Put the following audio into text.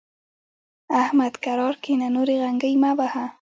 احمد؛ کرار کېنه ـ نورې غنګۍ مه وهه.